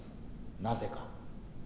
なぜか。